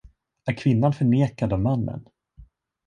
Är kvinnan förnekad av mannen?